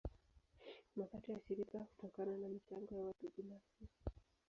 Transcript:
Mapato ya shirika hutokana na michango ya watu binafsi.